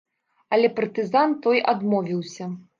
Але партызан той адмовіўся.